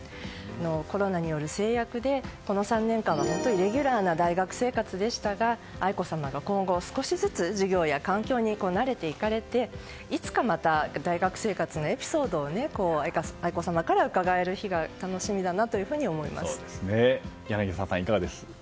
コロナによる制約でこの３年間はイレギュラーな大学生活でしたが愛子さまが今後、少しずつ授業や環境に慣れていかれていつかまた大学生活のエピソードを愛子さまから伺える日が柳澤さん、いかがですか。